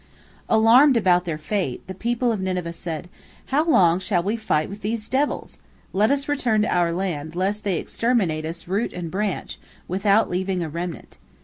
Alarmed about their fate, the people of Nineveh said: "How long shall we fight with these devils? Let us return to our land, lest they exterminate us root and branch, without leaving a remnant."